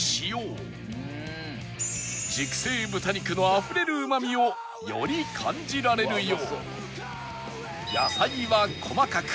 熟成豚肉のあふれるうまみをより感じられるよう